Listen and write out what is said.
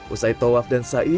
usai tawaf dan sa'i